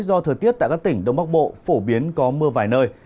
do thời tiết tại các tỉnh đông bắc bộ phổ biến có mưa vài nơi